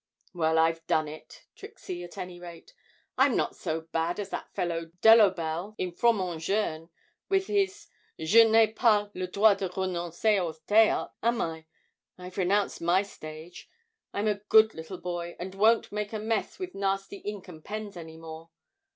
'Well, I've done it, Trixie, at any rate. I'm not so bad as that fellow Delobelle, in "Fromont Jeune," with his "Je n'ai pas le droit de renoncer au théâtre!" am I? I've renounced my stage. I'm a good little boy, and won't make a mess with nasty ink and pens any more.